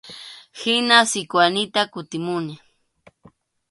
Hina Sikwanita kutimuni.